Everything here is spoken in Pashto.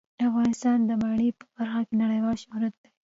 افغانستان د منی په برخه کې نړیوال شهرت لري.